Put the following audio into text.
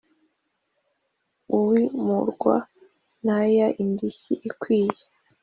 W uwimurwa n ay indishyi ikwiye